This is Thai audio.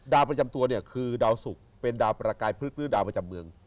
ประจำตัวเนี่ยคือดาวสุกเป็นดาวประกายพฤกษ์หรือดาวประจำเมือง